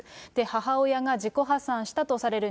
母親が自己破産したとされる